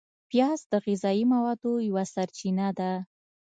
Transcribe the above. پیاز د غذایي موادو یوه سرچینه ده